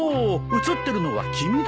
写ってるのは君だよ。